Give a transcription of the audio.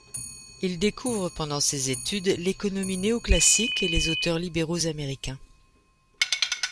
Il découvre pendant ses études l'économie néo-classique et les auteurs libéraux américains.